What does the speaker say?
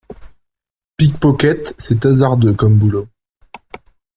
Pickpocket c’est hasardeux, comme boulot.